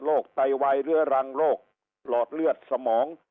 โรคไตไวหลอดเลือดสมอง